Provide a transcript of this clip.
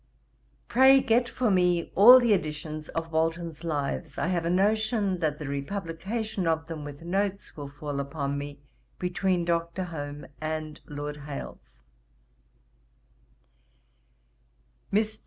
'Pray get for me all the editions of Walton's Lives: I have a notion that the republication of them with Notes will fall upon me, between Dr. Home and Lord Hailes.'